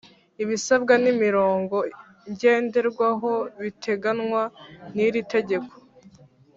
ibisabwa n imirongo ngenderwaho biteganywa niritegeko